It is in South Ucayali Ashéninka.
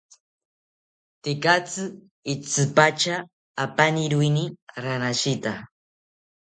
Tekatzi itzipatya apaniroeni ranashita